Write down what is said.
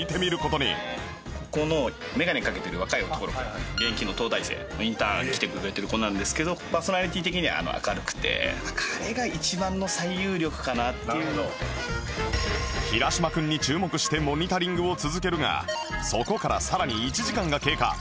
このメガネかけてる若い男の子現役の東大生インターン来てくれてる子なんですけどパーソナリティー的には平島君に注目してモニタリングを続けるがそこからさらに１時間が経過